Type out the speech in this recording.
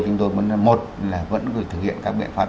chúng tôi muốn là một là vẫn thực hiện các biện pháp